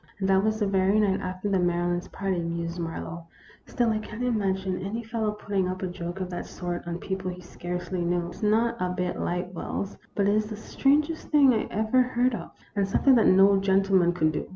" And that was the very night after the Mary lands' party," mused Marlowe. " Still I can't im agine any fellow putting up a joke of that sort on people he scarcely knew. It 's not a bit like Wells ; but it is the strangest thing I ever heard of, and something that no gentleman could do.